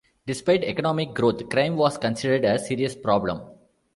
Despite economic growth, crime was considered a serious problem.